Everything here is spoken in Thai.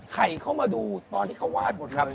ไข่เขามาดูตอนที่เขาวาดหมดครับ